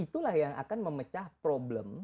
itulah yang akan memecah problem